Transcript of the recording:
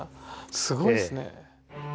すごいですね。